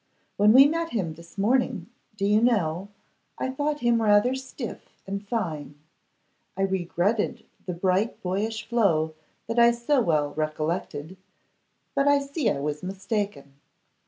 When we met him this morning, do you know, I thought him rather stiff and fine. I regretted the bright boyish flow that I so well recollected, but I see I was mistaken.